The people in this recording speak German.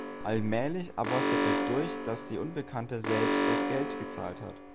Allmählich aber sickert durch, dass die Unbekannte selbst das Geld gezahlt hat.